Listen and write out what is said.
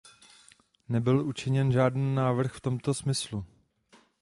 Nebyl učiněn žádný návrh v tomto smyslu.